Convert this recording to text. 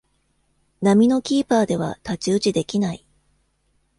並みのキーパーでは太刀打ちできない